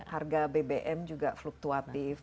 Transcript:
harga bbm juga fluktuatif